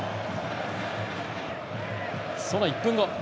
その１分後。